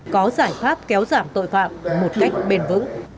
có giải pháp kéo giảm tội phạm một cách bền vững